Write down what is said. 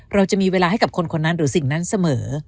เราจะมีเวลาให้กับคนคนนั้นหรือสิ่งนั้นเสมอ